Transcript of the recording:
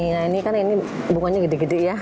nah ini kan ini bunganya gede gede ya